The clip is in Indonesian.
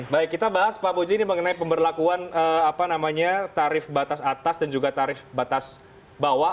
baik kita bahas pak buji ini mengenai pemberlakuan tarif batas atas dan juga tarif batas bawah